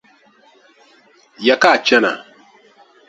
Ya ka a chana?